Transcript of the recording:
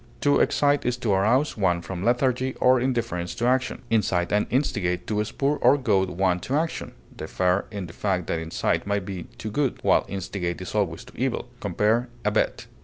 To excite is to arouse one from lethargy or indifference to action. Incite and instigate, to spur or goad one to action, differ in the fact that incite may be to good, while instigate is always to evil (compare ABET).